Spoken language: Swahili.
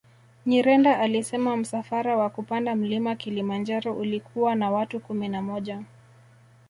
Nyirenda alisema msafara wa kupanda Mlima Kilimanjaro ulikuwa na watu kumi na moja